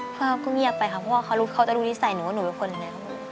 ภาพก็เงียบไปค่ะเพราะว่าเขาจะรู้นิสัยหนูว่าหนูเป็นคนแล้ว